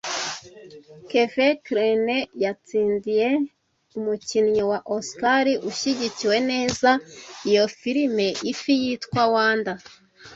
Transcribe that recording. Kevin Kline yatsindiye umukinnyi wa Oscar ushyigikiwe neza iyo filime Ifi Yitwa Wanda